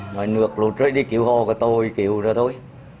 rồi nước lũ trôi đi cứu hồ rồi tôi cứu rồi thôi